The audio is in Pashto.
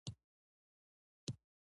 د پوهې خپرول د ځوانانو له لارې کيږي.